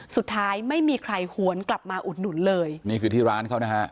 สุดท้ายไม่มีใครหวนกลับมาอุดหนุนเลยนี่คือที่ร้านเขานะฮะ